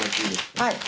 はい。